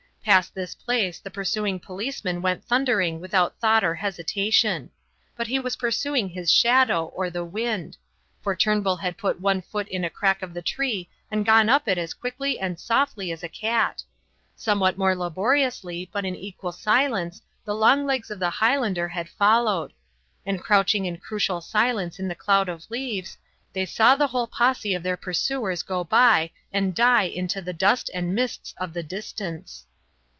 Past this place the pursuing policeman went thundering without thought or hesitation. But he was pursuing his shadow or the wind; for Turnbull had put one foot in a crack of the tree and gone up it as quickly and softly as a cat. Somewhat more laboriously but in equal silence the long legs of the Highlander had followed; and crouching in crucial silence in the cloud of leaves, they saw the whole posse of their pursuers go by and die into the dust and mists of the distance.